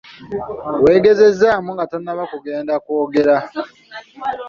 Weegezeemu nga tonnaba kugenda kwogera.